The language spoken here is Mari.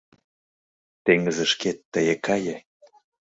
Теҥызышкет тые кае